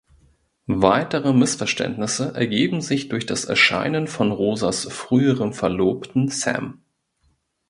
Weitere Missverständnisse ergeben sich durch das Erscheinen von Rosas früheren Verlobten Sam.